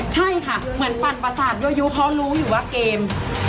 ใช่ค่ะเหมือนปั่นประสาทยั่วยุเพราะรู้อยู่ว่าเกม